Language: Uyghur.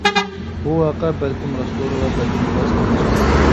بۇ ۋەقە بەلكىم راستتۇ، ۋە بەلكىم راست ئەمەستۇ.